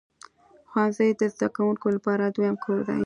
ښوونځی د زده کوونکو لپاره دویم کور دی.